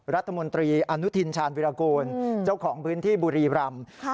รัฐมนตรีอนุทินชาญวิรากูลเจ้าของพื้นที่บุรีรำ